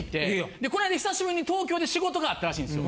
でこの間久しぶりに東京で仕事があったらしいんですよ。